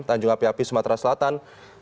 tanjung api api sumatera selatan